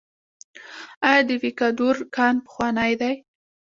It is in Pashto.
آیا د ویکادور کان پخوانی دی؟